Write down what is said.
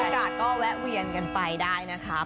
อากาศก็แวะเวียนกันไปได้นะครับ